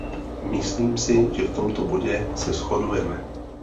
Myslím si, že v tomto bodě se shodujeme.